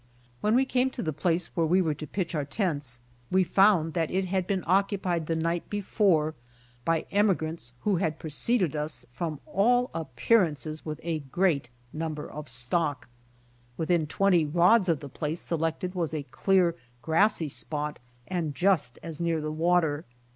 When we came to the place where we were to pitch our tents, we found that it had been occupied the night before by emigrants who had preceded us from all appearances with a great 82 BY ox TEAM TO CALIFORNIA number of stock. Within t^^enty rods of the place selected was a clear, grassy spot ■ and just as near the water.